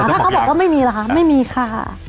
ถ้าเขาบอกว่าไม่มีล่ะคะไม่มีค่ะ